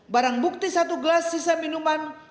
barang bukti satu gelas sisa minuman